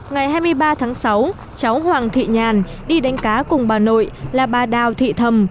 ngày hai mươi ba tháng sáu cháu hoàng thị nhàn đi đánh cá cùng bà nội là bà đào thị thầm